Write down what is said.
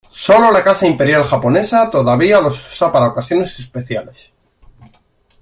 Solo la Casa Imperial Japonesa todavía los usa para ocasiones especiales.